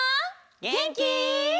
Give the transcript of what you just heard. げんき？